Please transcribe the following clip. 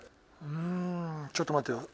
うんちょっと待ってよ。